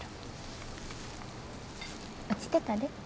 落ちてたで。